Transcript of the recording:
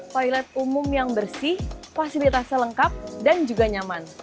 toilet umum yang bersih fasilitasnya lengkap dan juga nyaman